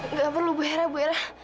nggak perlu bu hera bu hera